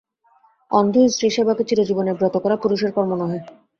অন্ধ স্ত্রীর সেবাকে চিরজীবনের ব্রত করা পুরুষের কর্ম নহে।